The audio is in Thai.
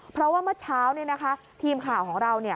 เพราะว่าเมื่อเช้าทีมข่าวของเรา